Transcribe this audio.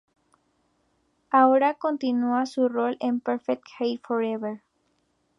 Ahora continúa su rol en "Perfect Hair Forever".